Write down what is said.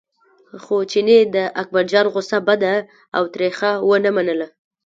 خو چیني د اکبرجان غوسه بده او تریخه ونه منله.